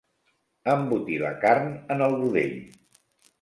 Embotir la carn en el budell.